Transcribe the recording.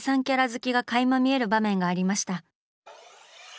キャラ好きがかいま見える場面がありました。